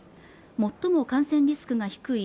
最も感染リスクが低い